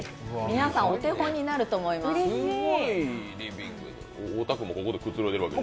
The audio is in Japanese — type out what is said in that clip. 皆さんお手本になると思います。